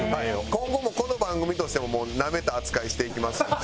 今後もこの番組としてももうナメた扱いしていきますので。